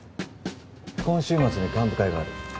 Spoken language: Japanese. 今週末に幹部会がある。